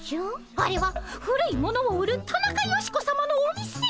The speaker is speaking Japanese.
あれは古いものを売るタナカヨシコさまのお店。